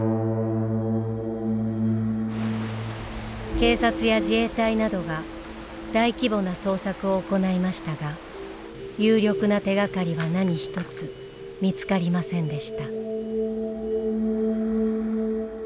警察や自衛隊などが大規模な捜索を行いましたが有力な手がかりは何一つ見つかりませんでした。